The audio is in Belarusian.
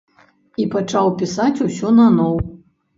І пачаў пісаць усё наноў.